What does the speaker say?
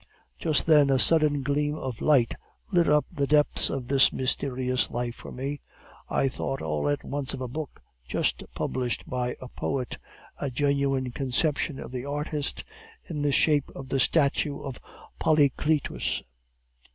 Just then a sudden gleam of light lit up the depths of this mysterious life for me. I thought all at once of a book just published by a poet, a genuine conception of the artist, in the shape of the statue of Polycletus.